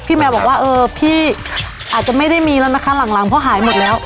แมวบอกว่าเออพี่อาจจะไม่ได้มีแล้วนะคะหลังเพราะหายหมดแล้ว